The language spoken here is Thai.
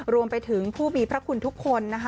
รวมไปถึงผู้มีพระคุณทุกคนนะคะ